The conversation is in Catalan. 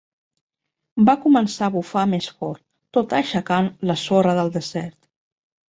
Va començar a bufar més fort, tot aixecant la sorra del desert.